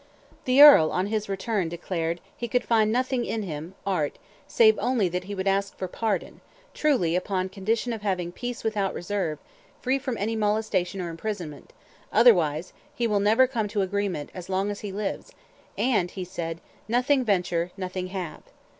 The Earl on his return declared, "he could find nothing in him, (Art,) save only that he would ask for pardon, truly, upon condition of having peace without reserve, free from any molestation or imprisonment; otherwise, he will never come to agreement as long as he lives; and, (he said,) 'nothing venture, nothing have.'